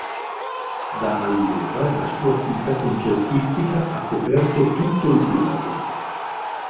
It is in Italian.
Da allora, la sua attività concertistica ha coperto tutto il globo.